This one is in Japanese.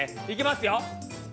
いきますよ。